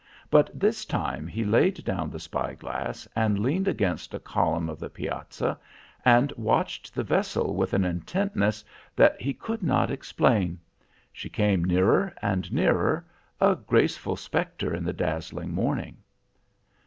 But this time he laid down the spyglass, and leaned against a column of the piazza, and watched the vessel with an intentness that he could not explain. She came nearer and nearer, a graceful spectre in the dazzling morning.